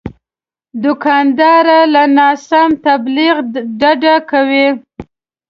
دوکاندار له ناسم تبلیغ ډډه کوي.